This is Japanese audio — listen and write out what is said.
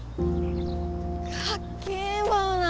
かっけえマウナ。